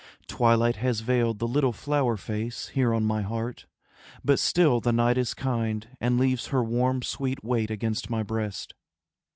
Twilight has veiled the little flower face Here on my heart, but still the night is kind And leaves her warm sweet weight against my breast.